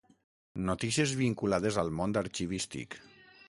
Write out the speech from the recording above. Notícies vinculades al món arxivístic.